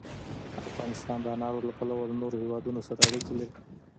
افغانستان د انارو له پلوه له نورو هېوادونو سره اړیکې لري.